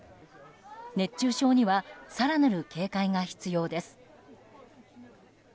熱中症には更なる警戒が必要です。